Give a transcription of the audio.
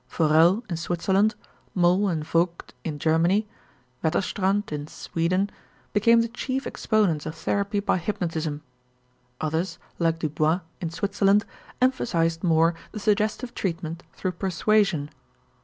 Forel in Switzerland, Moll and Vogt in Germany, Wetterstrand in Sweden became the chief exponents of therapy by hypnotism. Others, like Dubois, in Switzerland, emphasized more the suggestive treatment through persuasion.